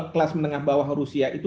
kelas menengah bawah rusia itu